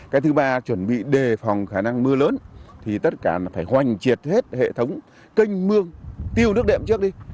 cái thứ ba chuẩn bị đề phòng khả năng mưa lớn thì tất cả là phải hoành triệt hết hệ thống canh mương tiêu nước đệm trước đi